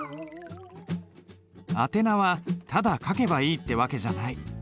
宛名はただ書けばいいって訳じゃない。